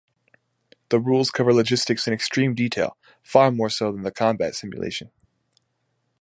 The rules cover logistics in extreme detail, far more so than the combat simulation.